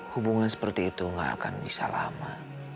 hubungan seperti itu gak akan bisa lama